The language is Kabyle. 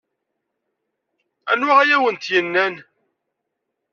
Anwa ay awent-yennan?